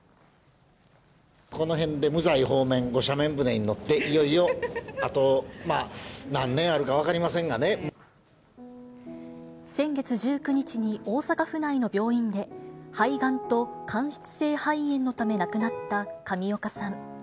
このへんで無罪放免、ご赦免船に乗って、いよいよあとまあ、何年あるか分かりませんが先月１９日に大阪府内の病院で、肺がんと間質性肺炎のため亡くなった上岡さん。